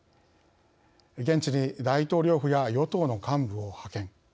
現地に大統領府や与党の幹部を派遣。